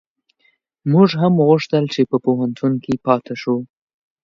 موږ هم غوښتل چي په پوهنتون کي پاته شو